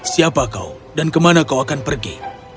siapa kau dan ke mana kau akan pergi